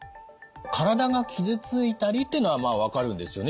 「身体が傷ついたり」というのはまあ分かるんですよね。